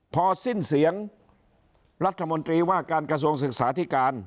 พอสิ้นเสียงรัฐมนตรีว่าการกระทรวงศึกษาธิการ